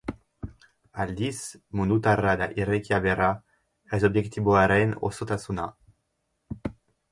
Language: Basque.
Aldiz, mundutarra da irekia bera, ez-objektiboaren osotasuna.